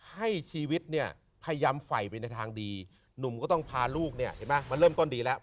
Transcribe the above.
ให้ชีวิตเนี่ยพยายามใส่ไปในทางดีหนุ่มก็ต้องพาลูกเนี่ยเห็นไหมมันเริ่มต้นดีแล้ว